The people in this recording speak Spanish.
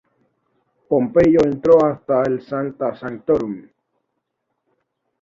Pompeyo entró hasta el "Sancta Sanctorum.